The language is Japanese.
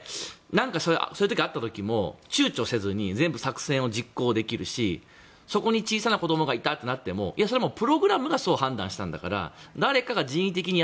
何かがあった時もちゅうちょせずに全部作戦を実行できるしそこに小さな子供がいたとなってもプログラムがそう判断したから誰かが人為的に。